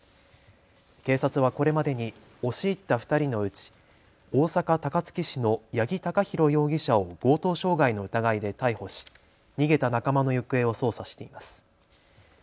警察はこれまでに押し入った２人のうち大阪高槻市の八木貴寛容疑者を強盗傷害の疑いで逮捕し逃げた仲間の行方を捜査しています。